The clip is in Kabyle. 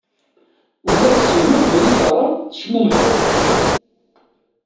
Ula d Sima mi i teɣra tecmumeḥ-d.